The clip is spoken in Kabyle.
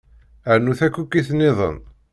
Rnu takukit niḍen.